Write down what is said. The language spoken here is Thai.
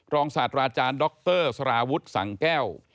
รองศาสตราอาจารย์ด็อกเตอร์สราวุฒิสังแก้ว